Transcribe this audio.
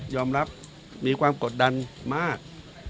ยอมรับมีความกดดันมาก